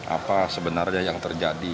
apa sebenarnya yang terjadi